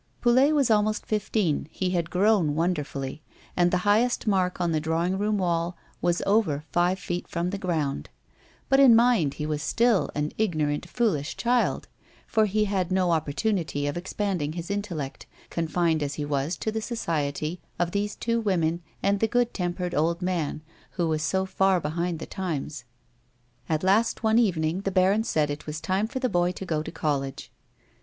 Poulet was almost fifteen; he had grown wonderfully, and the highest mark on the di awing room wall was over five feet from the ground, but in mind he was still an ignorant foolish A WOMAN'S LIFE. 197 child, for ho had no opportunity of expanding his intellect, confined as he was to the society of these two women and the good tempered old man who was so far behind the times. At last one evening the baron said it was time for the boy to go to college.